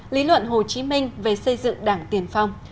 lý luận hồ chí minh về xây dựng đảng tiền phong